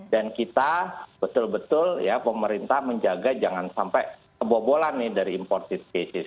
dan kita betul betul ya pemerintah menjaga jangan sampai kebobolan nih dari imported cases